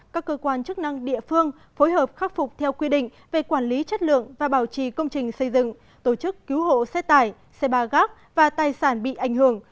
các cơ quan chức năng địa phương phối hợp khắc phục theo quy định về quản lý chất lượng và bảo trì công trình xây dựng tổ chức cứu hộ xe tải xe ba gác và tài sản bị ảnh hưởng